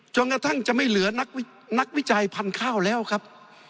จนกระทั่งจะไม่เหลือนักวิจัยพันธุ์ข้าวแล้วครับ